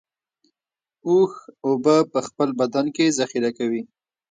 اوښ اوبه په خپل بدن کې ذخیره کوي